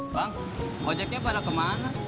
bang kojeknya pada kemana